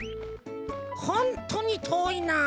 ホントにとおいなあ。